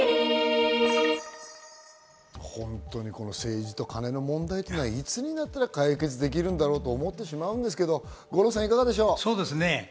本当に政治とカネの問題っていうのはいつになったら解決できるんだろうと思ってしまうんですけど、五郎さん、いかがでしょう。